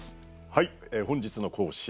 はい本日の講師